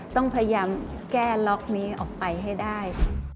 ต้องพยายามแก้ล็อกนี้ออกไปให้ได้